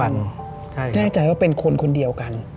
แน่ใจว่าเป็นคนคนเดียวกัน